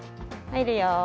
入るよ。